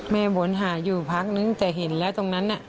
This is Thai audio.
วนหาอยู่พักนึงแต่เห็นแล้วตรงนั้นน่ะ